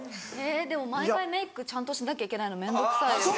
でも毎回メークちゃんとしなきゃいけないの面倒くさい。